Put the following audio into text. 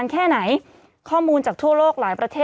สิบเก้าชั่วโมงไปสิบเก้าชั่วโมงไป